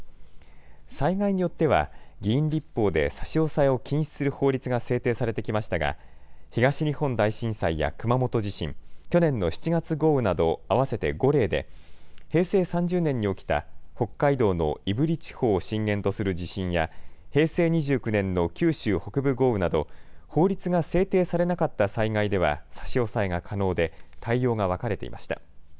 災害によっては議員立法で差し押さえを禁止する法律が制定されてきましたが東日本大震災や熊本地震、去年の７月豪雨など合わせて５例で平成３０年に起きた北海道の胆振地方を震源とする地震や平成２９年の九州北部豪雨など法律が制定されなかった災害では差し押さえが可能で対応が分かれていました。